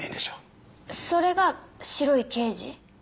それが白い刑事。